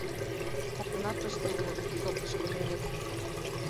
— Коктынат тыште улыт, — шоктыш Комелин.